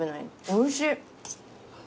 おいしい！